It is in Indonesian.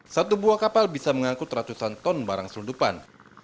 satu buah kapal bisa mengangkut ratusan ton barang selundupan